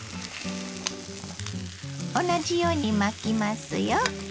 同じように巻きますよ。